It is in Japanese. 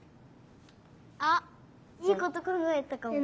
あっいいことかんがえたかも。